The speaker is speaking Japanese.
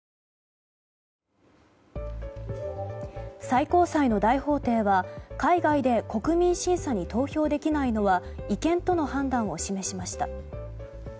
最高裁の大法廷は海外で国民審査に投票できないのは違憲との判断を示しました。